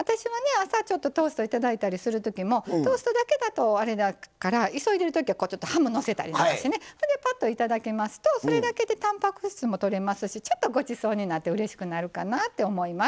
朝ちょっとトーストを頂いたりする時もトーストだけだとあれだから急いでる時はハムのせたりしてぱっと頂きますとそれだけでたんぱく質もとれますしちょっとごちそうになってうれしくなるかなって思います。